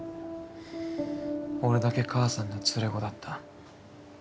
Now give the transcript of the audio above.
俺だけ母さんの連れ子だった。